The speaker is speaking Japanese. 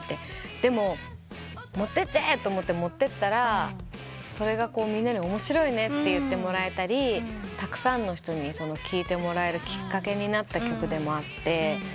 でも持ってっちゃえと持ってったらみんなに面白いねと言ってもらえたりたくさんの人に聴いてもらえるきっかけになった曲でもあって。